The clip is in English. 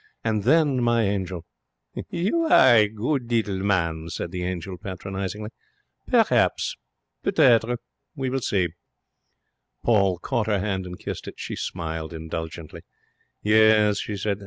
And then, my angel ' 'You are a good little man,' said the angel, patronizingly. 'Perhaps. We will see.' Paul caught her hand and kissed it. She smiled indulgently. 'Yes,' she said.